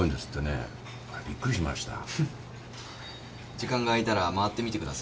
時間が空いたら回ってみてください。